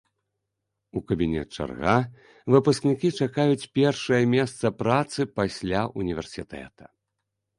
У кабінет чарга, выпускнікі чакаюць першае месца працы пасля ўніверсітэта.